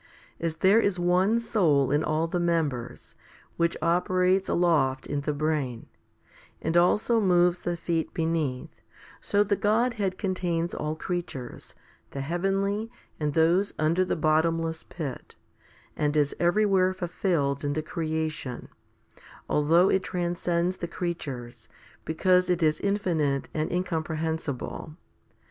As there is one soul in all the members, which operates aloft in the brain, and also moves the feet beneath, so the Godhead contains all creatures, the heavenly, and those under the bottomless pit, and is every where fulfilled in the creation, although it transcends the creatures, because it is infinite and incomprehensible.